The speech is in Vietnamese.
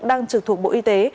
đang trực thuộc bộ y tế